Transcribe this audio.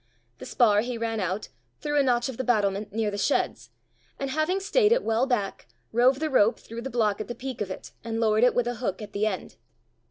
The spar he ran out, through a notch of the battlement, near the sheds, and having stayed it well back, rove the rope through the block at the peak of it, and lowered it with a hook at the end.